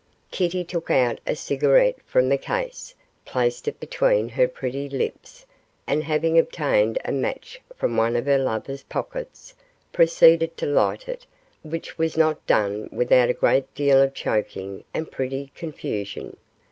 Kitty took out a cigarette from the case, placed it between her pretty lips, and having obtained a match from one of her lover's pockets, proceeded to light it, which was not done without a great deal of choking and pretty confusion.